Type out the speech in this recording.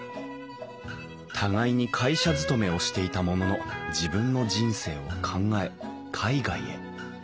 互いに会社勤めをしていたものの自分の人生を考え海外へ。